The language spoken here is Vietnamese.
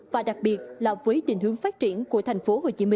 và đặc biệt là với định hướng phát triển của tp hcm